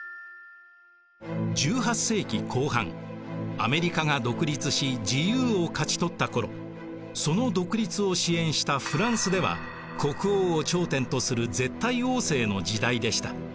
アメリカが独立し自由を勝ち取った頃その独立を支援したフランスでは国王を頂点とする絶対王政の時代でした。